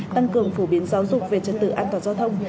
tăng cường phổ biến giáo dục về trật tự an toàn giao thông